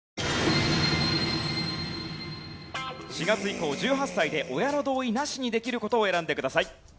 ４月以降１８歳で親の同意なしにできる事を選んでください。